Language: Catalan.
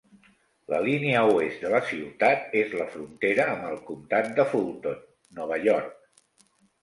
La línia oest de la ciutat és la frontera amb el comtat de Fulton, Nova York.